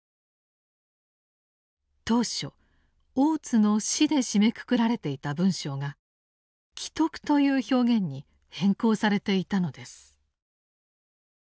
当初大津の死で締めくくられていた文章が「危篤」という表現に変更されていたのです。